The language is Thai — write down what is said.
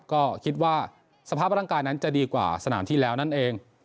ก็คิดว่าสภาพร่างกายนั้นจะดีกว่าสนามที่แล้วนั่นเอง